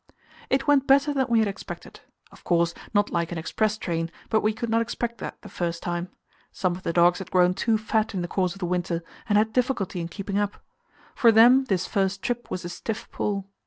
It went better than we had expected; of course, not like an express train, but we could not expect that the first time. Some of the dogs had grown too fat in the course of the winter, and had difficulty in keeping up; for them this first trip was a stiff pull.